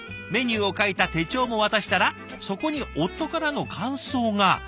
メニューを書いた手帳も渡したらそこに夫からの感想が。